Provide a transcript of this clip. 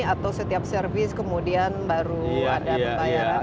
atau setiap servis kemudian baru ada pembayaran